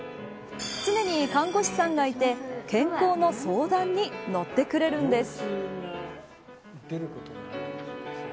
常に看護師さんがいて健康の相談にのってくれるんです。